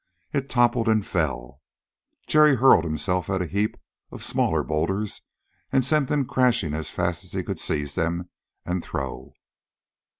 It toppled and fell. Jerry hurled himself at a heap of smaller boulders and sent them crashing as fast as he could seize them and throw.